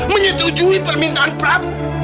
menyetujui permintaan prabu